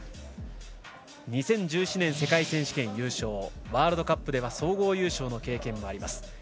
２０１７年、世界選手権優勝ワールドカップでは総合優勝の経験もあります。